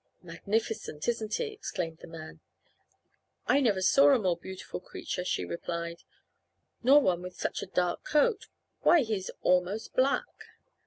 "Magnificent, isn't he?" exclaimed the man. "I never saw a more beautiful creature," she replied, "nor one with such a dark coat. Why, he is almost black."